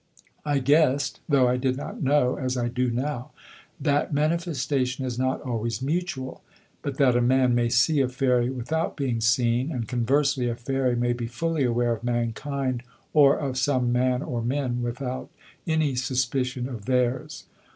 I guessed, though I did not know (as I do now) that manifestation is not always mutual, but that a man may see a fairy without being seen, and conversely, a fairy may be fully aware of mankind or of some man or men without any suspicion of theirs.